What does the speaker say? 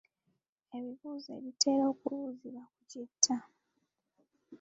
Ebibuuzo ebitera okubuuzibwa ku kita.